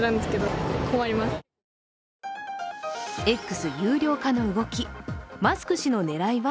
Ｘ有料化の動き、マスク氏の狙いは？